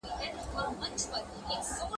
چي شاهداني مي د شیخ د جنازې وي وني ,